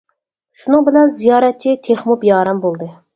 شۇنىڭ بىلەن زىيارەتچى تېخىمۇ بىئارام بولدى.